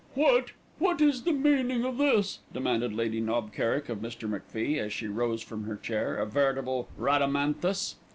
"What what is the meaning of this?" demanded Lady Knob Kerrick of Mr. MacFie, as she rose from her chair, a veritable Rhadamanthus.